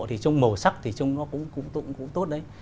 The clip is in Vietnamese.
thì trong màu sắc thì trông nó cũng tốt đấy